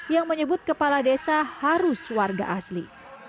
yang menyebut kepala desa harus warga asli